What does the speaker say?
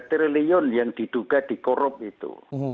tiga triliun yang diduga dikorup itu